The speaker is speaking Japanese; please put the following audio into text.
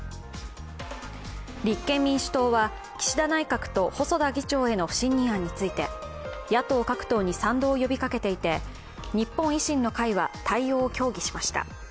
立憲民主党は岸田内閣と細田議長への不信任案について、野党各党に賛同を呼びかけていて日本維新の会は対応を協議しました。